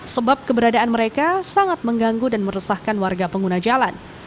sebab keberadaan mereka sangat mengganggu dan meresahkan warga pengguna jalan